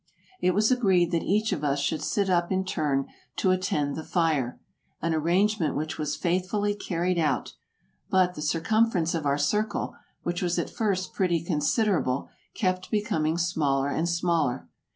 It was agreed that each of us should sit up in turn to attend the fire, an arrangement which was faithfully carried out, but the circumference of our circle, which was at first pretty considerable, kept becoming smaller and smaller.